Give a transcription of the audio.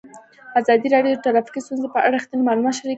ازادي راډیو د ټرافیکي ستونزې په اړه رښتیني معلومات شریک کړي.